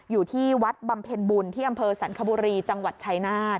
อยู่ที่วัดบำเพ็ญบุญที่อำเภอสรรคบุรีจังหวัดชายนาฏ